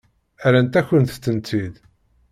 Rrant-akent-tent-id.